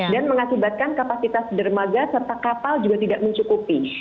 dan mengakibatkan kapasitas dermaga serta kapal juga tidak mencukupi